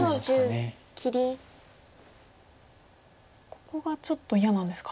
ここがちょっと嫌なんですか。